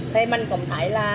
thì mình cũng thấy là